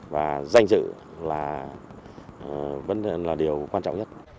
và danh dự là điều quan trọng nhất